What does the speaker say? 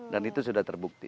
dan itu sudah terbukti